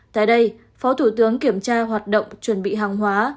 tại đây phó thủ tướng kiểm tra hoạt động chuẩn bị hàng hóa